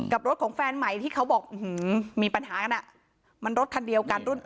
รถของแฟนใหม่ที่เขาบอกมีปัญหากันอ่ะมันรถคันเดียวกันรุ่น